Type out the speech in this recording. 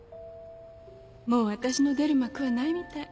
もう私の出る幕はないみたい。